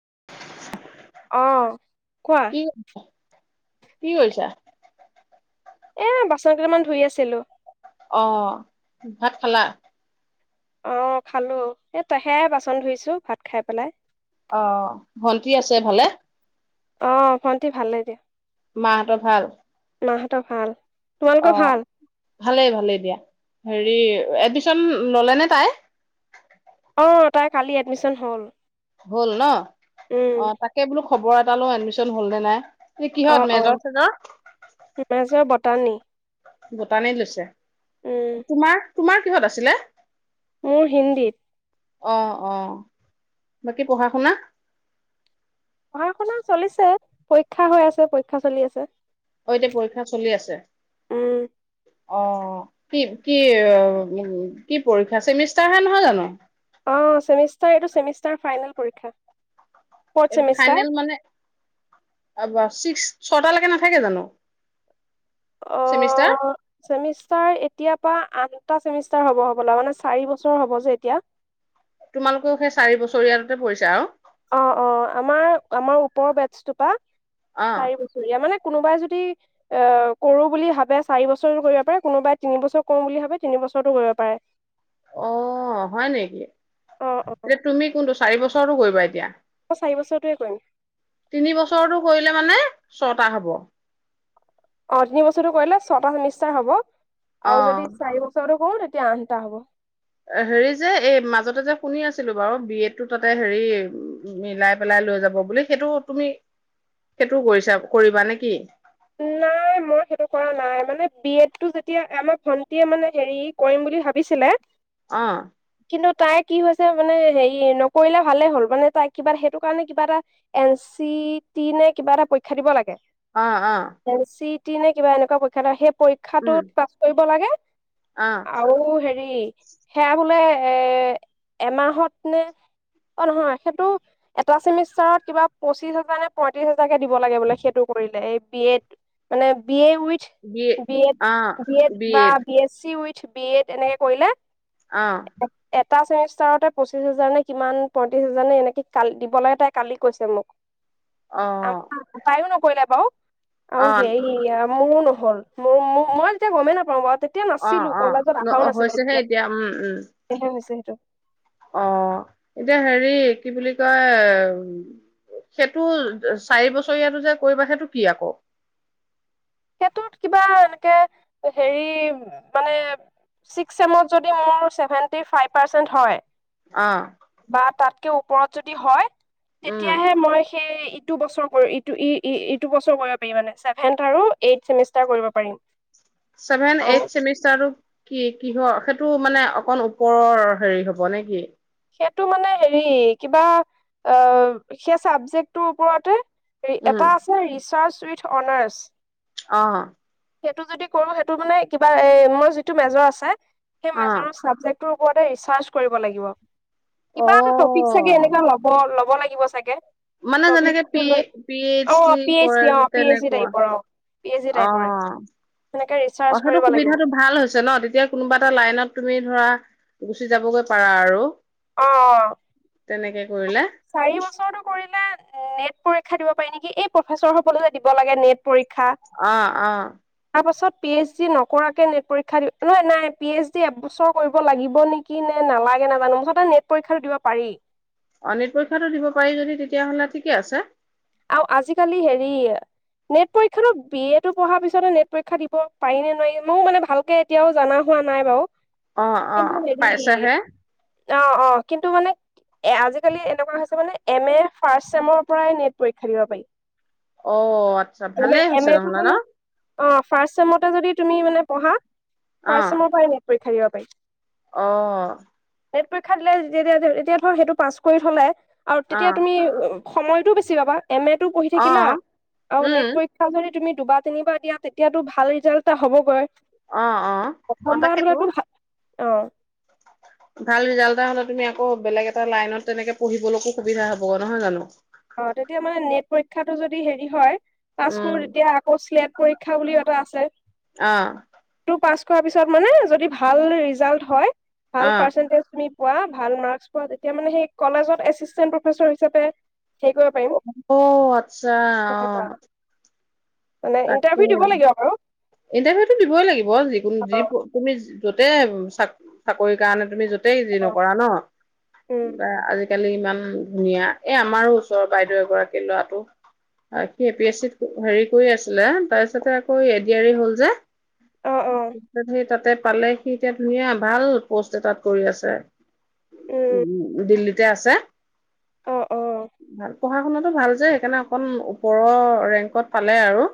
[unintelligible] অ'। কোৱা কি কি কৰিছা? এ বাচন কেইটামান ধুই আছিলো। অ' ভাত খালা? অ' খালো, এই-তা সেইয়াই বাচন ধুইছো, ভাত খাই পেলাই। অ' ভন্টি আছে ভালে? অ' ভণ্টি ভালে দিয়া। মাহঁতৰ ভাল? মাহঁতৰ ভাল। তোমালোকৰ অ', ভাল ভালেই ভালেই দিয়া। হেৰি এডমিশন ললে নে তাই অ তাই কালি এডমিশন হ'ল হল ন উম অ তাকে বোলো খবৰ এটা লও এডমিশন হ'ল নে নাই এই কিহত অ', মেজৰ চেজৰ? অ', মেজৰ বতানী ভূটানিত লৈছে তোমাৰ তোমাৰ কিহত আছিলে? মোৰ হিন্দীত। অ অ বাকী পঢ়া শুনা পঢ়া সূনা চলিছে পৰীক্ষা হৈ আছে, পৰীক্ষা চলি আছে। অ' এতিয়া পৰীক্ষা চলি আছে। উম অ' কি কি কি পৰীক্ষা চেমিষ্টাৰ হে নহয় জানো অ', ছেমিষ্টাৰ এইটো, ছেমিষ্টাৰ ফাইনেল পৰীক্ষা। ফৰ্থ এইটো চেমিষ্টাৰ ফাইনেল মানে? ছিক্স ছটালৈকে নাথাকে জানো অ চেমিষ্টাৰ চেমিষ্টাৰ এতিয়া তা আঠটা চেমিষ্টাৰ হব হ'ব ল মানে চাৰি বছৰ হ'ব যে এতিয়া তোমালোকও সেই চাৰি বছৰয়ালতে পৰিছে আৰু। অ অ আমাৰ আমাৰ ওপৰৰ বেটছটোপা চাৰি অ বছৰীয়া মানে কোনোবাই যদি অ কৰো বুলি ভাবে চাৰি বছৰো কৰিব পাৰে কোনোবাই তিন বছৰ কৰো বুলি ভাবে তিন বছৰতো কৰিব পাৰে অ', হয় নেকি। অ অ এতিয়া তুমি কোনটো চাৰি বছ ওো কৰিবা এতিয়া মই চাৰি বছৰৰতহে কৰিম তিনি বছৰটো কৰিলে মানে ছটা হ'ব। অ তিনি বছতৰটা কৰিলে ছটা চেমিষ্টাৰ হব অ আৰু যদি চাৰি বছৰ কৰো তে আট টা হব হেৰি যে এই মাজতে যে শুনি আছিলোঁ বাৰু। বি এডটো তাতে হেৰি মিলাই পেলাই লৈ যাব বুলি, সেইটো তুমি সেইটোও কৰিছা কৰিবা নেকি? নাই মই সেইটো কৰা নাই মানে বি এডটো যেতিয়া আমাৰ ভন্টিয়ে মানে হেৰি কৰিম বুলি ভাবিছিলে অহ। কিন্তু তাই কি হৈছে মানে হেৰি নকৰিলে ভালে হ'ল মানে তাই কিবা সেইটো কাৰণে কিবা এটা এন চি টি নে কিবা এটা পৰীক্ষা দিব লাগে অ অ কি নে কিবা এনেুৱা পৰক্ষা সে উম পৰীক্ষাটোত পাছ কৰিব লাগে অ আৰু হেৰি সেই সেয়া বোলে এ, এমাহত নে অ', নহয় সেইটো এটা চেমিষ্টাৰত কিবা পঁচিশ হাজাৰ নে পয়ত্ৰিশ হাজ জাকে দিব লাগে বোলে সেইটো কৰিলে এই বি এ মানে B A with B uh Ed বা এচি উথ বি এড এনেকে কৰিলা। আহ এটা চেমিষ্টাৰতে পঁচিশ হাজাৰ নে কিমান পঁয়ত্ৰি হাজাৰ নে এনেকে কাল দিব লাগে তাই কালি কৈছে মোক অ তাইো নকৈলো বাও অ আৰু হেৰি [inaudible] মোৰো নহ'ল মোৰ মই তেতিয়া গমেই নাপাওঁ বাৰু তেতিয়া অ নাছিলো কলেজত অহাও অ নাছিলো হৈছেহে তেতিয়া এতিয়া উম উম সয়াহে হৈছে সেইটো অ এতিয়া হেৰি কি বুলি কয় সেইটো চাৰি বছৰীয়াটো যে কৰিবা সেইটো কি আকৌ সেইটোত কিবা এনেকে হেৰি মানে, চিক্স ছেমত যদি মোৰ চেভেনটি ফাইভ পাৰ্চেণ্ট হয় অ বা তাত ওপৰত যদি হয় উম তেতিয়াহে মই সেই ইটো বছৰ ইটো ই ই ইটো বছৰ ম পাৰি মানে চছেভেন্থ আৰু এইথ চেমিষ্টাৰ কৰিব পাৰিম। ছেভেন আৰু এইছেমিষ্টাৰ কি কিহৰ সেইটো মানে অকণ ওপৰৰ হেৰি হ'ব নেকি? সেইটো মানে হেৰি কিবা অ সেই চাবজেক্ট তোৰ ওপৰতে উম এটা আছে ৰিচাৰ্চ ত্ৰিত অনাৰ্ছ অ'। সেইটো যদি কৰো সেইটো মানে কিবা এ মই যিটো মেজৰ আছে সেই অ মাজৰ চাবজেক ল অ কিবা এটা টপিক চাগে এনেকুৱা ল'ব ল হ লাগিব চাগে মানে যেনেকে পি পি এইচ ট অ ডি পি কৰে এইচি অ পি এইচি তেনেকুৱা টাইপ অ পি এইচি টাইপ অ', সেইটো সুবিধাটো ভাল হৈছে ন'। তেতিয়া কোনোবা এটা লাইনত তুমি ধৰা গুচি যাবগৈ পাৰা আৰু অ', তেনেকে কৰিলে চাৰি বছৰটো কৰিলে এ, নেট পৰীক্ষা দিব পাৰি নেকি? এই প্ৰফেচৰ হ'বলৈ দিব লাগে নেট পৰীক্ষা অ অ তাৰপাছত পি এচ ডি নকৰাকে নেট পৰীক্ষা দি নহয়, নাই পি এচ ডি এবছৰ কৰিব লাগিব নেকি নে নালাগে নাজানো - নেট পৰীক্ষা দিব পাৰি। অ নেট পৰীক্ষাটো দিব পাৰি যদি তেতিয়াহ'লে ঠিকে আছে। আৰু আজিকালি হেৰি নেট পৰীক্ষাতো বি এ টো পঢ়াৰ পিছত নেট পৰীক্ষা দিব পাৰি নে নোৱাৰি ময় মানে ভালকে এতিয়াও জনা হোৱা নাই বাৰু। অ' কিন্তু অ' হেৰি পাইছা হে। অ' অ' কিন্তু মানে এ আজিকালি এনেকুৱা হৈছে মানে- এম এ ফাৰ্ষ্ট চেমৰ পৰাই নেট- পৰীক্ষা দিব পাৰি। অ' আচ্ছা এম এ ভালেই এম হৈছে এটো নহলে ন। মানে অ', ফাৰ্ষ্ট ছেমতে যদি তুমি মানে পঢ়া- অ ফাষ্ট চেমৰ পৰাই নেট পৰীক্ষা দিব পাৰি। অ' নেট পৰীক্ষা দিলে যেতিয়া এতিয়া ধৰ সেইটো পাছ কৰি থ'লে- আৰু অ তেতিয়া তুমি উ- সময়টো বে ছি পাবা। এম এ টো পঢ়ি অ থাকিলা আৰু নেট উম পৰীক্ষা যদি তুমি দুবাৰ তিনিবাৰ দিয়া তেতিয়াতো ভাল ৰিজাল্ট এটা হ'বগৈ। অ', অ', অ', তাকেতো। আহ। ভাল ৰিজাল্ট এটা হ'লে তুমি আকৌ বেলেগ এটা লাইনত তেনেকে পঢ়িবলৈকো সুবিধা হ'বগ নহয় জানো? অ', তেতিয়া মানে নেট পৰীক্ষাটো যদি হেৰি হয় পাছ কৰো উম তেতিয়া আকৌ চিলেক্ট পৰীক্ষা বুলিও এটা আছে। আহ। টো পাছ কৰাৰ পিছত মানে যদি ভাল ৰিজাল্ট হয় ভাল অ পাৰ্চেনটেজ তুমি পোৱা ভাল মাৰ্ক্স তেতিয়া মানে সেই কলেজত এচিষ্টেণ্ট প্ৰফেছৰ হিচাপে হেৰি কৰিব পাৰিম অ', আচ্ছা অহ। তেনেকুৱা মানে তাকে, ইণ্টাৰভিউ দিব লাগিব বাৰু ইণ্টাৰভিউতটো দিবই লাগিব যিকোন-যি অ তুমি যতে চা চাকৰি কাৰণে তুমি য তেই জি অ নকৰা ন' উম [inaudible] কালি ইমান ধুনীয়া এ, আমাৰো ওচৰৰ বাইদেউ এগৰাকী ল'ৰাটো অ, সি এ পি এছচিত হেৰি কৰি আছিলে তাৰপিছতে আকৌ এ ডি আৰ ই হ'ল যে। অ অ সেই তাতে পালে সি, এতিয়া ধুনীয়া ভাল প'ষ্ট এটাত কৰি আছে। উম উম-উম দিল্লীত [unintelligible] আছে। অ অ ভাল পঢ়া শুনাতও ভাল যে সেইকাৰণে অকণ ওপৰৰ ৰেংকত পালে আৰু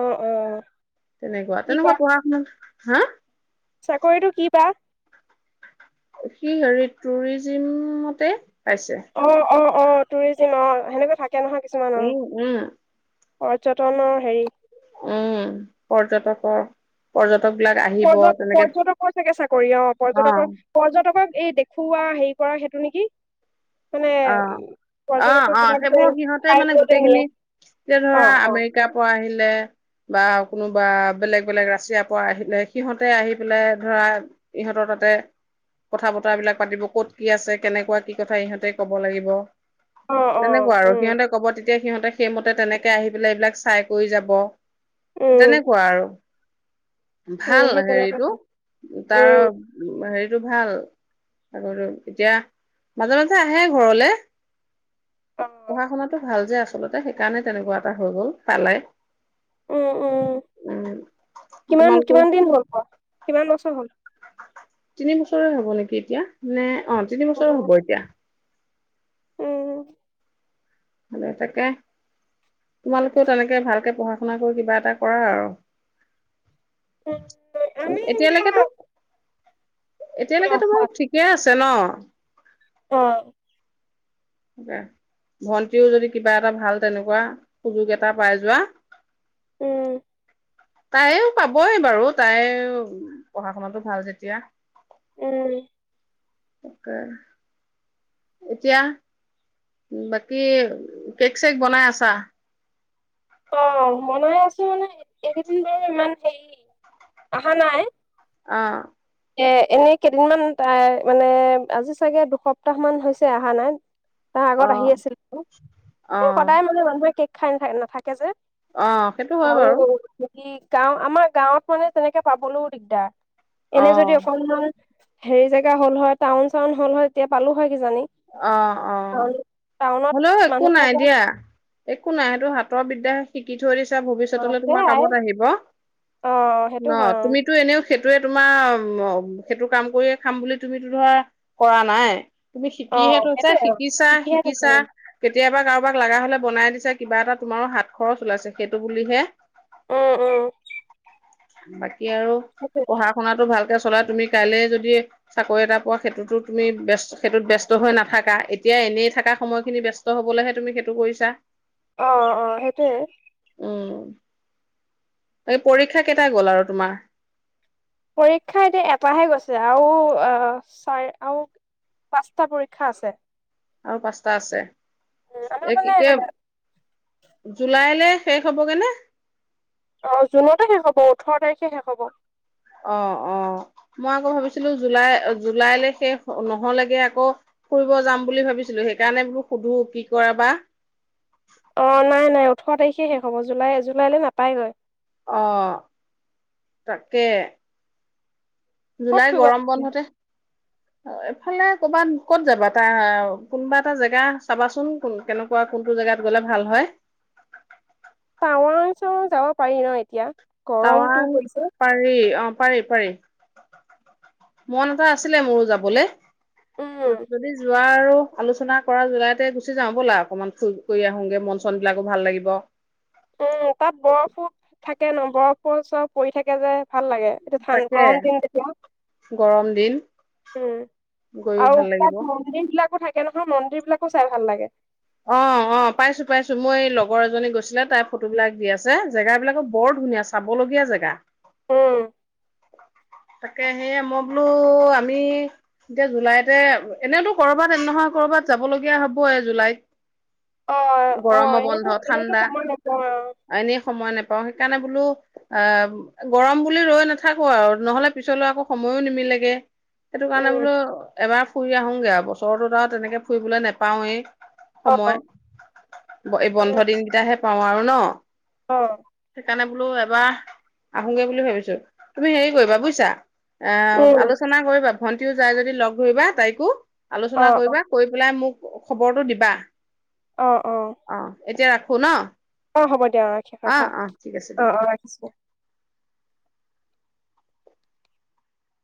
অ', - অ ', তেনেকুৱা- তেনেকুৱা, পঢ়া -শুনা হা', চাকৰিতো কিবা? সি ', হেৰি টুৰিজিমতে, পাইছে অ-অ অ', টুৰিজিম অ', হেনেকে থাকে। থাকে নহয় কিছুমানৰ, উম উম পৰ্যটনৰ হেৰি, - উম', পৰ্যটকৰ পৰ্যট, - পৰ্য পৰ্যটকৰ চাগে চাকৰি অ পৰ্যটকৰ পৰ্যটকক এই দে খোৱা হেৰি কৰা সেইটো নেকি? মানে অ', উম, পৰ্যটকক -অ-অ বিলাক যে সেইবোৰ সিহঁতে মানে ঠাইবোৰলে নিয়ে গোটেইখিনি এতিয়া অ ধৰা, অ আমেৰিকাৰ পৰা আহিলে বা, কোনোবা বেলেগ -বেলেগ ৰাছিয়াৰ পৰা আহিলে, সিহঁতে আহি পেলাই ধৰা ইহঁতৰ তাতে কথা -বতৰা বিলাক পাতিব ক'ত কি আছে কেনেকুৱা কি কথা ইহঁতে, ক'ব লাগিব। অ অ তেনেকুৱা আৰু উম সিহঁতে ক'ব তেতিয়া সিহঁতে, সেইমতে তেনেকে আহি পেলাই এইবিলাক চাই কৰি যাব। উম তেনেকুৱা আৰু উম ভাল সেই তেনেকুৱা হেৰিটো, চাগে। তাৰ উম হেৰিটো, ভাল এতিয়া মাজে -মাজে আ, হে ঘৰলে। অ পঢ়া - শুনাটো ভাল যে আছ আচলতে সেইকাৰণে তেনেকুৱা এটা হৈ গ'ল তালে। উম', - ওম', তোমালোকৰ কিমান-কিমান দিন হ'ল ক', কিমান বছৰ হ'ল? তিনি বছৰে হব নেকি এতিয়া মানে, অ ', -তিনি বছৰ হ'ব এতিয়া। উম মানে তাকে তোমালোকেও তেনেকে ভালকে পঢ়া- শুনা কৰি, কিবা এটা কৰা আৰু। উ আমি এতিয়ালৈকে সেয়া তো এতিয়ালৈকেতো বাৰু ঠিকে আছো তেন অ তাকে ভন্টিও যদি কিবা এটা ভাল তেনেকুৱা সুযোগ এটা পাই যোৱা। উম। তাইও পাবই বাৰু তাই পঢ়া শুনাটো ভাল যেতিয়া। উম। তাকে এতিয়া বাকী কেক চেক বনাই আছা অ বনাই আছো মানে এইকেইদিন বাৰু ইমান হেৰি অহা নাই। অ এ এনে কেইদিনমান এ মানে আজি চাগে দুসপ্তাহ মান হৈছে অহা নাই। তাৰ অ আগত আহি আছিল এবো অ সদায় মানে মানুহে কেক খাই থ নাথাকে। যে অ সেইটো হয় আৰু বাৰু কি গাঁও আমাৰ গাঁৱ ফনে তেনেকে পাবলৈও দিগদাৰ। অ এনে যদি অকমান হেৰি জেগা হল টাউন চাউন হল হয় তেতিয়া পালো হয়। কিজানি অ অ টাউনত হ'লেও একো নাই মানুহবিলাকৰ দিয়া একো নাই সেইটো হাতৰ বিদ্যা। শিকি থৈ দিছ অ ভৱিষ্যতলৈ তোমাৰ সেয়াই কামত আহিব অ ন সেইটো হয় অ তুমিতো এনেওে সি সেইটোয়ে তোমাৰ অ সেইটো কাম কৰিয়ে খাম বুলি তুমিতো ধৰা কৰা নাই তুমি কি অ সেইটো যে সেইটোয়ে শিকিছা শিকিহে থৈছো শিকিছা কেতিয়াবা কাৰোবাক লগা হলে বনাই দিছে কিবা এটা তোমাৰো হাত খৰচ ওলাইছে সেইটো বুলিহে। উম উম বা এতিয়া আৰু সেইটোয়ে পঢ়া-শুনা টো ভালকে। চলা তুমি কাইলে যদি চাকৰি এটা পোৱা সেইটোতো তুমি ব্যচ সেইটোত ব্যস্ত। ব্যস্ত হৈ নাথাকা এতিয়া এনেই থকা সময়খিনি ব্যস্ত হ'বলৈ হে তুমি সেইটো কৰিছা। অ অ সেইটোয়ে। এই পৰীক্ষা কেইটা গ'ল আৰু তোমাৰ। পৰীক্ষা এতিয়া এটাহে গৈছে আৰু আহ চাৰ আৰু পাঁচটা পৰীক্ষা আছে। আৰু পাঁচটা আছে। উম আমাৰ এক মানে কে। জুলাইলৈ শেষ হ'বগে নে? অ জুনতে শেষ হ'ব ওঠৰ তাৰিখে শেষ হ'ব। অ অ মই আকৌ ভাবিছিলো জুলাই জুলাইলৈ শেষ নহ'লেগে আকৌ ফুৰিব যাম বুলি ভাবিছিলো সেইকাৰণে বোলো সুধো কি কৰা বা। অ নাই নাই ওঠৰ তাৰিখে শেষ হ'ব জুলাই জুলাইলৈ নাপায়গৈ। আহ তাকে। ক'ত জুলাই ফুৰিব গৰম বন্ধতে এফালে কৰ'বাত ক'ত যাবা এটা কোনোবা এটা জেগা চাবাচোনো ন কেনেকুৱা কোনটো জেগাত গলে ভাল হয় টাৱাং চাৱাং যাব পাৰি ন এতিয়া। গৰমটো তাৱাং পৰিছে পাৰি অ পাৰি পাৰি মন এটা আছিলে মোৰো যাবলে। উম আ, যদি যোৱা আৰু আলোচনা কৰা জলাইতে গুচি যাওঁ ব'লা অকনমান ফু-ফুৰি কৰি আহোগে মন চন বিলাকো ভাল লাগিব। উম, তাত বৰফো থাকে ন' বৰফো চব পৰি থাকে যে। ভাল লাগে, এইটো তাকে ঠান-গৰম দিন তেতিয়া। গৰম দিন। উম, গৈও আৰু ভাল লাগিব [unintelligible] মন্দিৰ বিলাকো থাক তাকে নহয় মন্দিৰ বিলাকো চাই ভাল লাগে। অ', অ', পাইছোঁ পাইছোঁ মোৰ এই লগৰ এজনী গৈছিলে, তাই ফটোবিলাক দি আছে। জেগাবিলাকো বৰ ধুনীয়া চাবলগীয়া জেগা। হম। তাকে সেয়ে মই বোলো আমি এতিয়া জুলাইতে, এনেওতো কৰবাত এ, নহয় কৰবাত যাব লগীয়া হ'বই জুলাইত। অ অ গৰমো বন্ধ এনেতো এনেতো ঠাণ্ডা, সময় নাপাওঁ এনেই সময় নেপাওঁ সেইকাৰণে বোলো অ', গৰম বুলি ৰৈ নাথাকো আৰু নহ'লে পিছলৈ আকৌ সময়ো নিমিলেগে। সেইটো কাৰণে উম বোলো এবাৰ ফুৰি আহোগে আৰু বছৰৰতত আৰু তেনেকে ফুৰিবলৈ নেপাওঁৱেই। অ সময়, এ, বন্ধ উম দিনকেইটাহে পাওঁ আৰু ন'। অ সেইকাৰণে বোলো এবাৰ আহোগে বুলি ভাবিছো। তুমি হেৰি কৰিবা বুজিছা অ' উম আলোচনা কৰিবা। ভণ্টিও যায় যদি লগ ধৰিবা তাইকো। অ আলোচনা অ কৰিবা কৰি পেলাই মোক খবৰটো দিবা। অ' এতিয়া ৰাখ শুনা। অ' হ'ব দিয়া অ' ৰাখি ৰাখা আছে দিয়া অ' অ' ৰাখিছো।